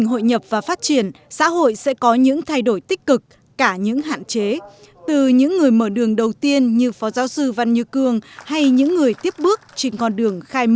hội thảo thầy văn như cương